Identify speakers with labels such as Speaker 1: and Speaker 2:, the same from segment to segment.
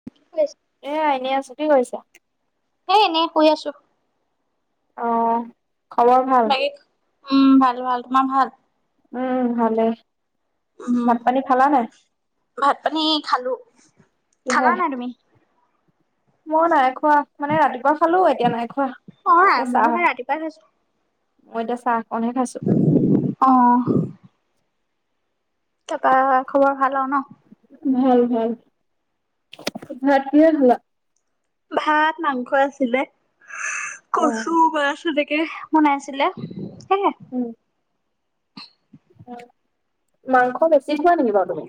Speaker 1: [unintelligible]
Speaker 2: এ এনেই আছোঁ, কি কৰিছাঁ?
Speaker 1: সেই এনেই শুই আছোঁ।
Speaker 2: অ'। খবৰ ভাল?
Speaker 1: বাকি, উম, ভাল ভাল তোমাৰ ভাল?
Speaker 2: উম, ভালেই।
Speaker 1: উম
Speaker 2: ভাত পানী খালা নাই?
Speaker 1: ভাত পানী খালো। খালা
Speaker 2: কিহেৰে?
Speaker 1: নাই তুমি?
Speaker 2: মই নাই খোৱা, মানে ৰাতিপুৱা খালো, এতিয়া নাই খোৱা।
Speaker 1: অ',
Speaker 2: এতিয়া
Speaker 1: ময়ো
Speaker 2: চাহ
Speaker 1: সেই ৰাতিপুৱাই খাইছো।
Speaker 2: মই এতিয়া চাহ অকনহে খাইছোঁ।
Speaker 1: অ'। তাৰপা খবৰ ভাল আৰু ন?
Speaker 2: ভাল, ভাল। ভাত কিহে খালা?
Speaker 1: ভাত মাংস আছিলে,
Speaker 2: অ',
Speaker 1: কচু মাছ এনেকে বনাইছিলে। সেয়ে
Speaker 2: উ। হয়। মাংস বেছি খোৱা নেকি বাৰু তুমি?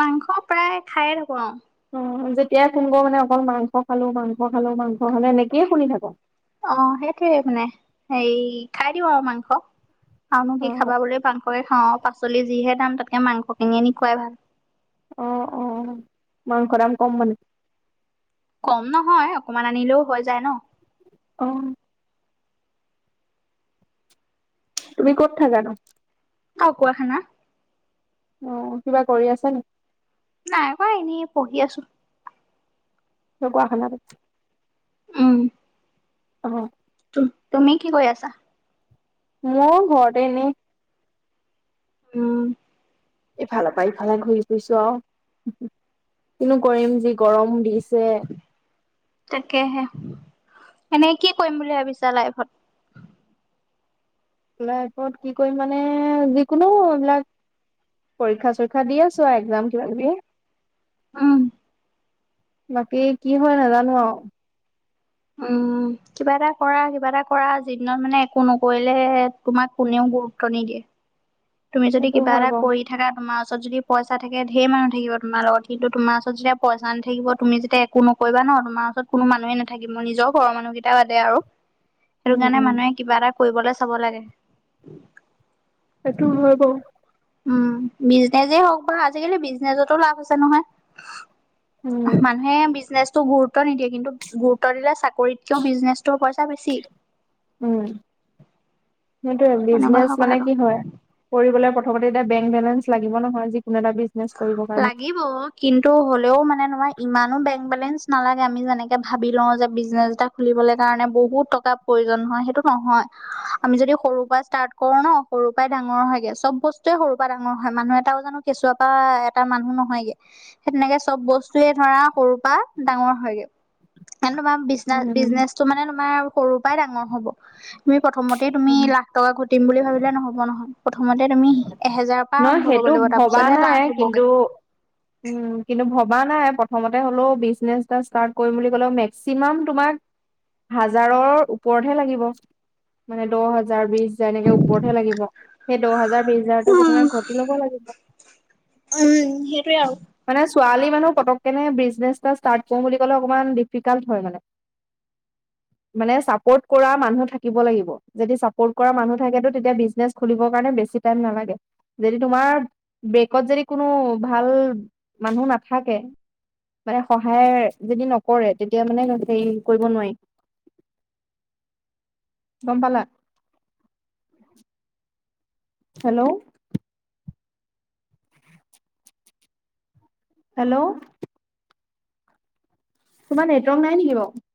Speaker 1: মাংস প্ৰায়ে খায়ে থাকো আৰু।
Speaker 2: অ', যেতিয়াই ফোন কৰো মানে অকল মাংস খালো, মাংস খালো, মাংস খালো এনেকেই শুনি থাকো।
Speaker 1: অ', সেইটোৱে মানে, হেৰি খাই দিওঁ আৰু মাংস, আৰুনো কি
Speaker 2: অ',
Speaker 1: খাবা বুলি মাংস ভয় খাওঁ, পাচলিৰ যিহে দাম তাতকে মাংস কিনি আনি খুৱাই ভাল।
Speaker 2: অ', অ', মাংস দাম কম মানে।
Speaker 1: কম নহয়, অকমান আনিলেও হৈ যায় ন।
Speaker 2: অ'। তুমি ক'ত থাকা নো?
Speaker 1: আওকোৱাখানা।
Speaker 2: অ', কিবা কৰি আছা নি?
Speaker 1: নাই কৰা, এনেই পঢ়ি আছো।
Speaker 2: ঢকুৱাখানাত।
Speaker 1: উ।
Speaker 2: [unintelligible]
Speaker 1: তুম, তুমি কি কৰি আছা?
Speaker 2: মও ঘৰত এনেই।
Speaker 1: উ।
Speaker 2: ইফালৰ পৰা ইফালে ঘূৰি ফুৰিছো আৰু। কিনো কৰিম যি গৰম দিছে।
Speaker 1: তাকেহে, এনেই কি কৰিম বুলি ভাবিছা লাইফত?
Speaker 2: লাইফত কি কৰিম মানে, যিকোনো এইবিলাক পৰীক্ষা চৰীক্ষা দি আছো একজাম কিবা কিবি
Speaker 1: উম,
Speaker 2: বাকী কি হয় নাজানো আও
Speaker 1: উম, কিবা এটা কৰা, কিবা এটা কৰা, যিদিনত মানে একো নকৰিলে হে হে। তোমাক কোনেও গুৰুত্ব নিদিয়ে। তুমি যদি
Speaker 2: সেইটো
Speaker 1: কিবা
Speaker 2: হয়
Speaker 1: এটা
Speaker 2: বাৰু
Speaker 1: কৰি থাকা তোমাৰ ওচৰত যদি পইচা থাকে ঢেৰ মানুহ থাকিব তোমাৰ লগত কিন্তু তোমাৰ ওচৰত যেতিয়া পইচা নাথাকিব তুমি যেতিয়া একো নকৰিবা নহয় তোমাৰ ওচৰত কোনো মানুহে নাথাকিব, নিজৰ ঘৰৰ মানুহকেইটাৰ বাদে আৰু সেইটো
Speaker 2: উম
Speaker 1: কাৰণে
Speaker 2: উম
Speaker 1: মানুহে কিবা এটা কৰিবলৈ চাব লাগে।
Speaker 2: সেইটো হয় বাওঁ।
Speaker 1: উ। বিজনেজেই হওক বা আজিকালি বিজনেজতো লাভ আছে নহয়।
Speaker 2: উম
Speaker 1: মানুহে বিজনেচটো গুৰুত্ব নিদিয়ে, কিন্তু গুৰুত্ব দিলে চাক কৰিতকৈ বিজনেছটো পইচা বেছি।
Speaker 2: উ। সেইটোয়ে
Speaker 1: সেনেকুৱা
Speaker 2: বিজনেজ
Speaker 1: হয়
Speaker 2: মানে
Speaker 1: কথাটো।
Speaker 2: কি হয়। কৰিবলৈ প্ৰথমতে এতিয়া বেংক বেলেঞ্চ লাগিব নহয়। যি কোনো এটা বিজ
Speaker 1: লাগিব। কিন্তু হ'লেও মানে নহয় ইমানো বেংক বেলেঞ্চ নালাগে আমি যেনেকে ভাবি লও যে বিজনেচ এটা খুলিবলে কাৰণে বহুত টকা প্ৰয়োজন হয়, সেইটো নহয়। আমি যদি সৰুৰ পৰা ষ্টাৰ্ট কৰো ন সৰুৰ পৰাই ডাঙৰ হয়গে, চব বস্তুৱয়ে সৰু ডাঙৰ হয় মানুহ এটাও জানো কেঁচুৱা এটা মানুহ নহয়গে, সেই তেনেকে চব বস্তুৱয়ে ধৰা সৰু পৰা ডাঙৰ হয়গৈ, তোমাৰ বিনে
Speaker 2: উম
Speaker 1: বিজনেচ ত', মানে তোমাৰ সৰুৰ পৰাই ডাঙৰ হ'ব, তুমি প্ৰথমতেই তুমি
Speaker 2: উম
Speaker 1: লা টকা ঘটিম বুলি ভাবিলে নহব নহয়, প্ৰথমতে তুমি এহেজাৰৰ পৰা
Speaker 2: নহয়
Speaker 1: আৰম্ভ কৰিব
Speaker 2: সেইটো
Speaker 1: লাগিব, তাৰপিছত
Speaker 2: ভবা নাই কিন্তু উ কিন্তু ভবা নাই, প্ৰথমতে হ'লেও বিজনেছ এটা ষ্টাৰ্ট কৰিম বুলি ক'লেও মেক্সিমাম তোমাক হাজাৰৰ ওপৰতহে লাগিব। মানে দহ হাজাৰ বিশ হাজাৰ এনেকে ওপৰতহে লাগিব, সেই দহ হাজাৰ বিশ হাজাৰতো মোনে ঘটি ল'ব লাগিব।
Speaker 1: উম সেইটোৱে আৰু।
Speaker 2: মানে ছোৱালী মানুহ পতকনে বিজনেছ এটা ষ্টাৰ্ট কৰো বুলি ক'লে, অকণমান ডিফিকাল্ট হয় মানে।
Speaker 1: [inaudible]
Speaker 2: মানে চাপৰ্ট কৰা মানুহ থাকিব লাগিব, যদি চাপৰ্ট কৰা মানুহ থাকেতটো তেতিয়া বিজনেছ খুলৰ কাৰণে বেছি টম নালাগে, যদি তোমাৰ ব্ৰেকত যদি কোনো ভাল মানুহ নাথাকে। মানে সহায় যদি নকৰে, তেতিয়া মানে হেৰি কৰিব নোৱাৰিম। গম পালা। হেল্ল' হেল্ল' তোমাৰ নেটৱৰ্ নাই নেকি বাৰু?